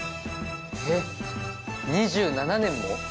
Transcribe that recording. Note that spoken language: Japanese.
えっ２７年も？